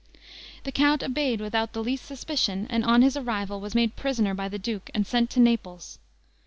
The count obeyed without the least suspicion, and on his arrival was made prisoner by the duke and sent to Naples.